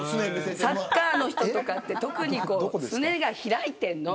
サッカーの人とかって特に、すねが開いているの。